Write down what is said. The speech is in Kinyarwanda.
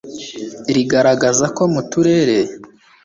rigaragaza ko mu turere